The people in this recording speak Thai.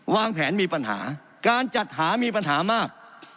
วางแผนมีปัญหาการจัดหามีปัญหามาก